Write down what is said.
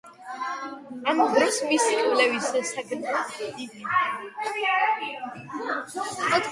ამ დროს მისი კვლევის საგნად იქცა სოციალურ ფსიქოლოგიასა და განათლების პოლიტიკას შორის კავშირი.